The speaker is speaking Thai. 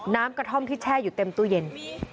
น้ำกระท่อมที่แช่อยู่เต็มตู้เย็น